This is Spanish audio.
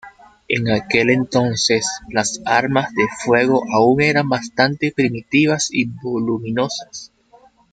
En aquel entonces, las armas de fuego aún eran bastante primitivas y voluminosas.